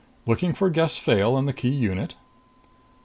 Looking for Gess Fayle and the key unit?"